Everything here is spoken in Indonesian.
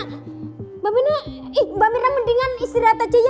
mbak mirna mbak mirna mendingan istirahat aja ya